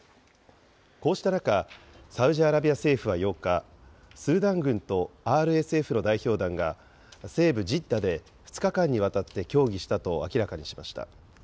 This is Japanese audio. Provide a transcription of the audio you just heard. こうした中、サウジアラビア政府は８日、スーダン軍とＲＳＦの代表団が、西部ジッダで２日間にわたって協議したと明らかにしました。